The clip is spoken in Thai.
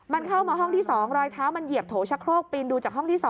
มันเข้ามาห้องที่๒รอยเท้ามันเหยียบโถชะโครกปีนดูจากห้องที่๒